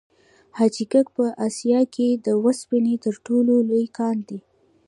حاجي ګک په اسیا کې د وسپنې تر ټولو لوی کان دی.